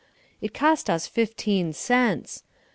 It cost us fifteen cents.